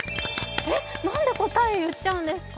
なんで答え言っちゃうんですか？